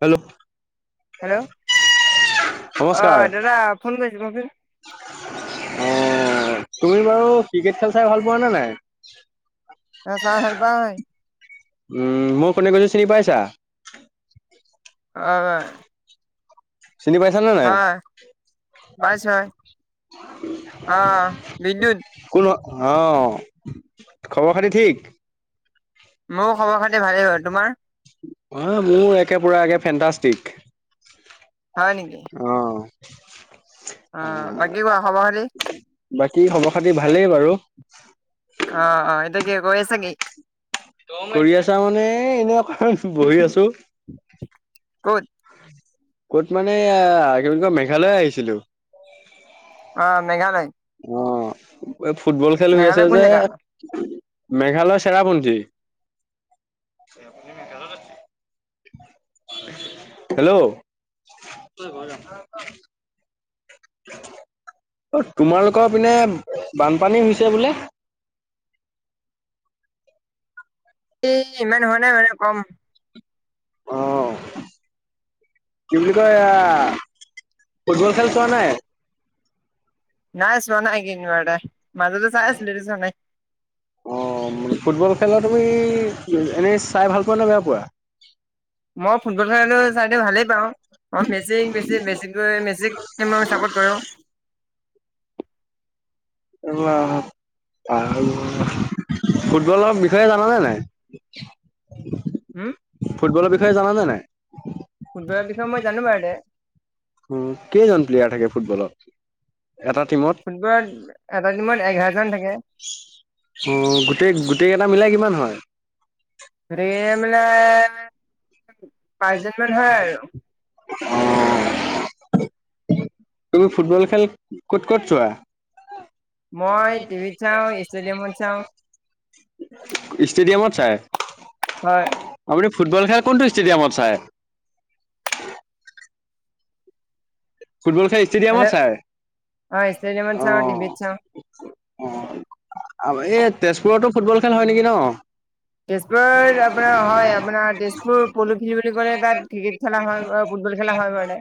Hello hello অ নমস্কাৰ দাদা ফোন কৰিছিলো অ তুমি বাৰু ক্ৰিকেট খেল চাই ভাল পোৱা নে নাই। মই চাই ভাল পাওঁৱে উম মই কোনে কৈছো চিনি পাইছা। [unintelligible] চিনি পাইছা নে নাই। হয় পাইছ পাইছো হয় অ অহ বিদ্যুৎ কোন অ খবৰ খাতি ঠিক। মোৰ খবৰ খাতি ভালেই হয় তোমাৰ। অ মোৰ একে পুৰা একে ফেনটাষ্টিক হয় হয়‌ নেকি নেকি অ বাকী কোৱা খবৰ খাতি [unintelligible] বাকী খবৰ খাতি ভালেই বাৰু। অ অ এতিয়া কি কৰি আছা কি কৰি আছা মানে এনেকুৱা বহি আছো। কত। ক'ত মানে আ কি বুলি কয় মেঘালয় আহিছিলো। অ মেঘালয়। অ এই ফুটবল খেল হৈ আছে মেঘালয় কোন যে। জেগা মেঘালয় চেৰাপুঞ্জী। চেৰাপুঞ্জীত মেঘালয় হেল্ল অ তোমালোকৰ পিনে বানপানী হৈছে বোলে। এই ইমান হোৱা নাই মানে কম। অ [inaudible] কি বুলি কয় আহ ফুটবল খেল চোৱা নাই। নাই চোৱা নাই একেদিনতে মাজেতে চাই আছিলো এতিয়া চোৱা নাই। অ ম ফুটবল খেলা তুমি এনেই চাই ভাল পোৱা নে বেয়া পোৱা। [unintelligible] মই ফুটবল খেল এনেও চাইদে ভালেই পাওঁ মই মেচি মেচি মেচি মেচি টিমক চাপৰ্ট কৰো। [unintelligible] ফুটবলৰ বিষয়ে জানানে নাই। [unintelligible] হম? ফুটবলৰ বিষয়ে জানানে নাই? ফুটবলৰ বিষয়ে মই জানো বাৰু তে। উম, কেইজন প্লেয়াৰ থাকে ফুটবলত, এটা টিমত? ফুটবলত, এটা টিমত এঘাৰজন থাকে। উম, গোটেই-গোটেইকেইটা মিলাই কিমান হয়? গোটেইকেইটা মিলাই, পাঁচজনমান হয় আৰু। অ'। তুমি ফুটবল খেল ক'ত ক'ত চোৱা? মই টিভিত চাওঁ, ষ্টেডিয়ামত চাওঁ ষ্টেডিয়ামত চাই? হয় আপুনি ফুটবল খেল কোনটো ষ্টেডিয়ামত চাই? ফুটবল খেল ষ্টেডিয়ামত হেল্ল' চাই, হয় ষ্টেডিয়ামত চাওঁ অ'। টিভিত চাওঁ অ', এই তেজপুৰতো ফুটবল খেল হয় নেকি ন? তেজপুৰত আপোনাৰ হয়, আপোনাৰ তেজপুৰ প'ল' ফিল্ড বুলি ক'লে তাত ক্ৰিকেট খেলা হয়, ফুটবল খেলা হয় বাৰু তে।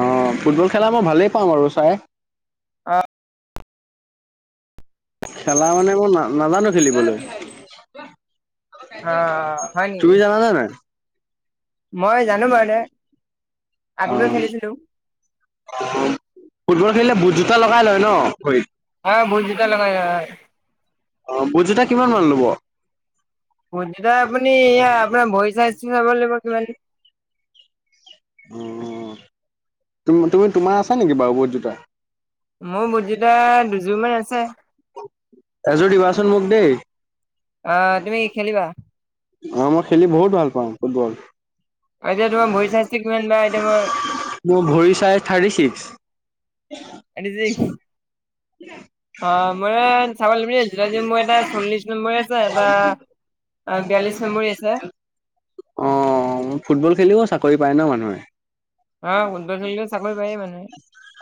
অ', ফুটবল খেলা মই ভালেই পাওঁ বাৰু চাই। খেলা মানে মই, না-নাজানো খেলিবলৈ। অ হয় নেকি তুমি জানানে নাই? মই জানো বাৰু তে, আগতেও অ'। খেলিছিলো ফুটবল খেলিলে বুট জোতা লগাই লয় ন ভৰিত? অ', বুটজোতা লগাই লয়। অ', বুটজোতা কিমান মান ল'ব? বুটজোতা আপুনি, আপোনাৰ ভৰি চাইজটো চাব লাগিব কিমান। অ', তুমি-তোমাৰ আছা নেকি বাৰু বুটজোতা? মোৰ বুটজোতা দুযোৰ মান আছে। এযোৰ দিবাচোন মোক দেই। অ', তুমি কি খেলিবা? অ', মই খেলি বহুত ভাল পাওঁ ফুটবল। এতিয়া তোমাৰ ভৰি চাইজটো কিমান বা এতিয়া মই মোৰ ভৰি চাইজ থাৰ্টি ছিক্স। [unintelligible] [inaudible] অ', মই মানে চাব লাগিব দেই, জোতাযোৰ মোৰ এটা চল্লিশ নম্বৰ আছে, এটা অ', বিয়ালিছ নম্বৰী আছে। অ', ফুটবল খেলিও চাকৰি পায় ন মানুহে? অ ফুটবল খেলিলে চাকৰি পায়েই মানুহে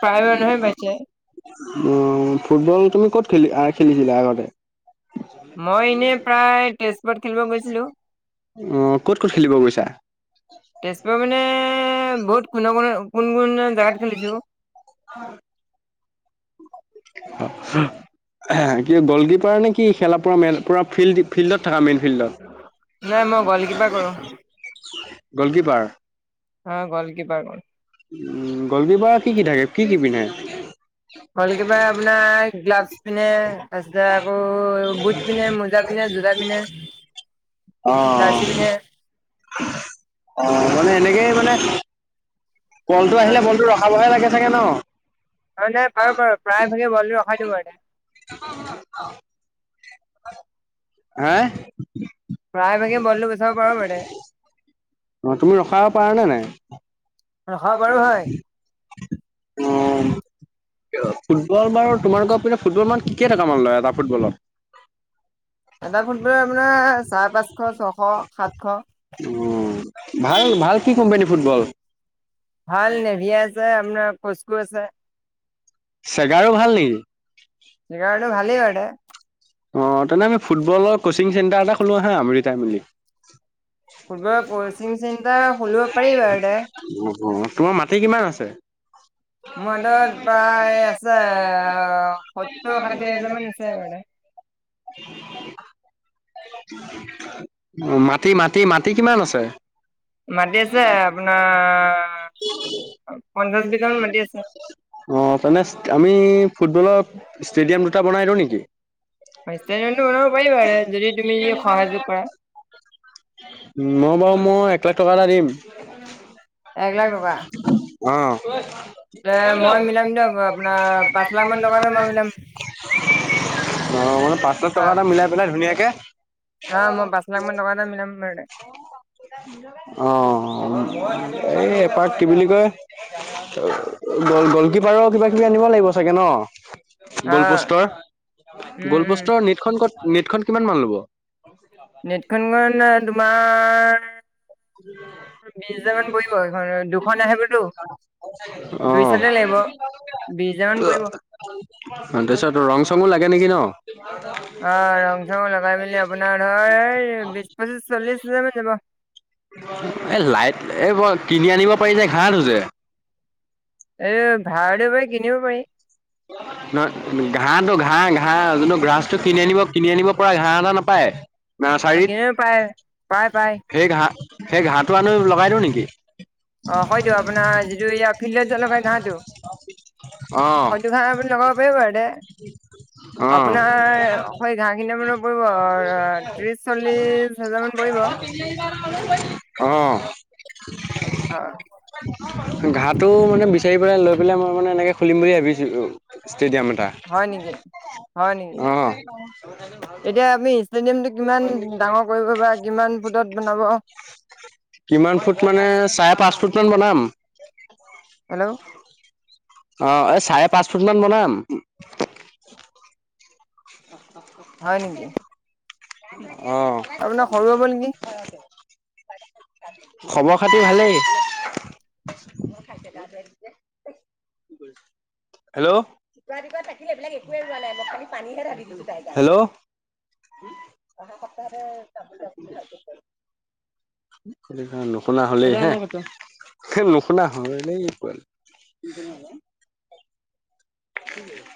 প্ৰায় মানুহে পাইছে অ', ফুটবল তুমি ক'ত খেলি-আ খেলিছিলা আগতে? মই এনেই প্ৰায় তেজপুৰত খেলিব গৈছিলোঁ। অ', ক'ত ক'ত খেলিব গৈছা? তেজপুৰতে মানে বহুত কোণ-কোণ, কোন কোন জেগাত খেলিছোঁ। [inaudible] কি গ'ল কিপাৰ নে কি খেলা পুৰা মেল-পুৰা ফিল্ড ফিল্ডত থকা মেইন ফিল্ডত? নাই, মই গ'ল কিপাৰ কৰোঁ। গ'লকিপাৰ? হা, গ'ল কিপাৰ মই। গল্কীপাৰত কি কি থাকে কি কি পিন্ধে? গল্কীপাৰ আপোনাৰ গ্লাচ পিন্ধে তাৰপিছতে আকৌ বুট পিন্ধে, মোজা পিন্ধে, জোতা পিন্ধে। জাৰ্চি পিন্ধে অঁহ অঁ মানে এনেকেই মানে বলটো আহিলে বলটো ৰখা বহে লাগে চাগে ন? হয় নাই বাৰু বাৰু প্ৰায় ভাগে বলটো ৰখাই দিব এনে [inaudible] হে? প্ৰায় ভাগে বলটো গোচাব পাৰ মানে অ তুমি ৰখাব পাৰা নে নাই? হয় অঁ বাৰু পাৰো হয়। [inaudible] ফুটবল বাৰু তোমালোকৰ পিনে ফুটবল মান কি কেই টকামান লয় এটা ফুটবলত? এটা ফুটবলৰ আপোনাৰ চাৰে পাঁচশ, ছশ, সাতশ। উম, ভাল ভাল কি কোম্পানী ফুটবল? ভাল নেভিয়া আছে আপোনাৰ কচকো আছে। চেগাৰো ভাল নেকি? চেগাৰোটো ভালেই বাৰু দে। অ তেনে আমি ফুটবলৰ কোচিং চেণ্টাৰ এটা খোলো আহা আমি দুইটাই মিলি। ফুটবলৰ কচিং চেণ্টাৰ খুলিব পাৰি বাৰু দে। উম হুম, তোমাৰ মাটি কিমান আছে? মোৰ হাতত প্ৰায় আছে সত্তৰ ষাঠি হাজাৰ মান আছে বাৰু দে [unintelligible] মাটি, মাটি, মাটি কিমান আছে? মাটি আছে আপোনাৰ, পঞ্চাশ বিঘামান মাটি আছে। অ' তেনে আমি ফুটবলৰ ষ্টেডিয়াম দুটা বনাই দিওঁ নেকি? ষ্টেডিয়ামটো ষ্টোডিয়ামটো বনাব পাৰি বাৰু দে যদি তুমি পাৰি বাৰু সহযোগ কৰা [unintelligible] উম, মই বাৰু মই এক লাখ টকা এটা দিম। এক লাখ টকা অঁ। তে মই মিলাম দিয়ক আপোনাৰ পাঁচ লাখ মান টকা এটা মই মিলাম অঁ, মানে পাঁচ লাখ টকা এটা মিলাই পেলাই ধুনীয়াকে। অঁ মই পাঁচ লাখ টকা এটা মিলাম বাৰু দে। অঁ, এই এপাক কি বুলি কয়। গল গল্কীপাৰৰ কিবা কিবি আনিব লাগিব চাগে ন? অ গল পোষ্টৰ, উম গল উম পোষ্টৰ নেটখন ক'ত নেটখন কিমান মান ল'ব? নেটখন মানে তোমাৰ বিশ হাজাৰ মান পৰিব সেইখন, দুখন আহিবোতো, দুই অ'। চাইদে লাগিব। বিশ হাজাৰ মান পৰিব। অ' তাৰপিছত ৰং চঙো লাগে নেকি ন? অঁ ৰং চং লগাই মেলি আপোনাৰ ধৰ বিশ পঁচিশ চল্লিশ হাজাৰ মান যাব। এ লাইট এইবোৰ কিনি আনিব পাৰি নে ভাড়াত আছে? এই ভাড়াটো পাৰি কিনিব পাৰি? [inaudible] নহয় ঘাঁহটো ঘাঁহ ঘাঁহ যোনটো গ্ৰাছটো কিনি আনিব কিনি আনিব পৰা ঘাঁহ এটা নাপায়? অ' নাৰ্চাৰীত কিনি আনিব পায়, পায় পায়। সেই ঘাঁহ, সেই ঘাঁহটো আনি লগাই দিওঁ নেকি? অঁ, হয়টো আপোনাৰ যিটো এৰিয়া ফিল্ডত জলবায়ু নাইটো। অ', হয়তো না আপুনি লগাব পাৰিব তাতে? অ', আপোনাৰ [unintelligible] ঘাঁহখিনিলে মনত পৰিব ত্ৰিশ, চল্লিশ হেজাৰ মান পৰিব। অঁ। অ'। ঘাঁহটো মানে বিচাৰি পেলাই, লৈ পেলাই মই মানে এনেকে খুলিম বুলি ভাবি ছিলো ষ্টেডিয়াম এটা। হয় নেকি? হয় নেকি? অ', এতিয়া আপুনি ষ্টেডিয়ামটো কিমান ডাঙৰ কৰিব বা কিমান ফুটত বনাব? কিমান ফুট মানে চাৰে পাঁচ ফুট মান বনাম। হেল্ল! অঁ, এই চাৰে পাঁচ ফুট মান বনাম। হয় নেকি? অঁ। আপোনাৰ সৰু হ'ব নেকি? খবৰ-খাতি ভালেই। হেল্ল! হেল্ল! অহা সপ্তাহতে যাম বুলি ভাবি আছোঁ মই। ঐ কলিজা নুশুনা হ'লি যে। সেই নুশুনা হ'লেই পোৱালি।